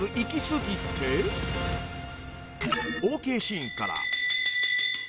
［ＯＫシーンから］